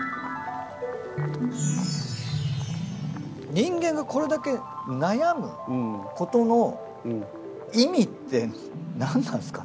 人間がこれだけ悩むことの意味って何なんですかね？